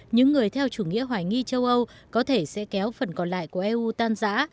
những người theo chủ nghĩa hoài nghi châu âu có thể sẽ kéo phần còn lại của eu tan giã